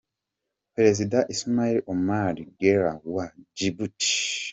Perezida Ismaïl Omar Guelleh wa Djibouti.